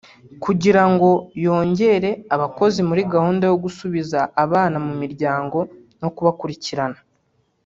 kugira ngo yongere abakozi muri gahunda yo gusubiza abana mu miryango no kubakurikirana